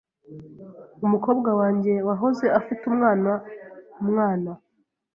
Umukobwa wanjye wahoze afite umwana umwana